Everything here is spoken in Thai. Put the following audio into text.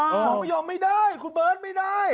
หมอพยมไม่ได้คุณเบิร์ตไม่ได้